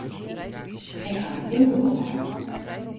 Ik ha in ûngelok hân.